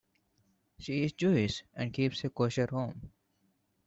She is Jewish and keeps a kosher home.